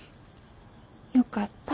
よかった。